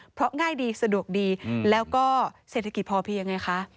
เพราะง่ายดีสะดวกดีแล้วก็เศรษฐกิจพอเพียงไงคะ